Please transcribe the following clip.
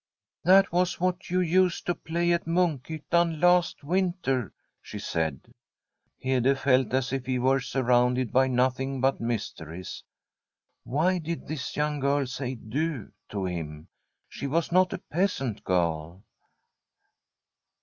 ' That was what you used to play at Munk hyttan last winter,' she said. Hede felt as if he were surrounded by nothing but mysteries. Why did this young girl say * du ' to him ? She was not a peasant girl.